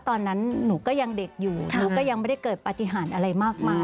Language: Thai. ตอนนั้นหนูก็ยังเด็กอยู่หนูก็ยังไม่ได้เกิดปฏิหารอะไรมากมาย